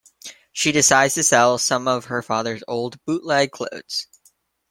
She decides to sell some of her father's old bootleg clothes.